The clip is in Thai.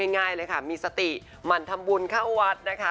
ง่ายเลยค่ะมีสติหมั่นทำบุญเข้าวัดนะคะ